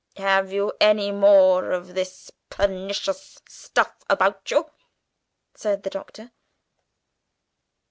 "Have you any more of this pernicious stuff about you?" said the Doctor.